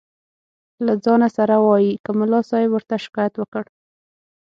له ځانه سره وایي که ملا صاحب ورته شکایت وکړ.